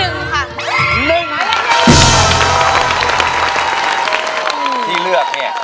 อินโทรเพลงที่๓มูลค่า๔๐๐๐๐บาทมาเลยครับ